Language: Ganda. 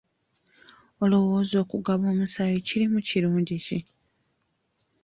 Olowooza okugaba omusaayi kulimu kirungi ki?